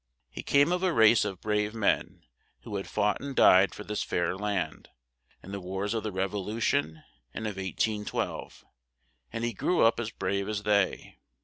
He came of a race of brave men, who had fought and died for this fair land in the wars of the Rev o lu tion and of 1812; and he grew up as brave as they.